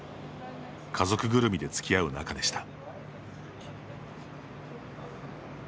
家族ぐるみでつきあう仲でした。